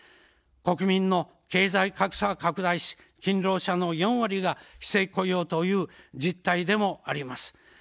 国民の経済格差は拡大し、勤労者の４割が非正規雇用という実態でもあります。